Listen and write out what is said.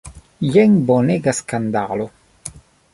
Jen bonega skandalo!